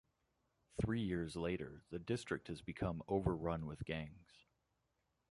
Three years later, the district has become overrun with gangs.